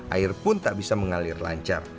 air pun tak bisa mengalir lancar